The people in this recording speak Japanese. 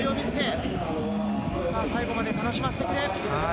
最後まで楽しませてくれ。